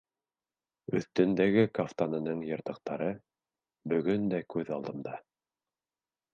Өҫтөндәге кафтанының йыртыҡтары бөгөн дә күҙ алдында.